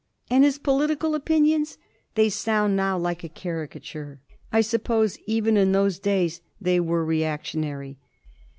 And his political opinions! They sound now like a caricature. I suppose even in those days they were reactionary.